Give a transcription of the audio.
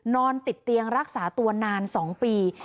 นอนติดเตียงรักษาตัวนาน๒ปี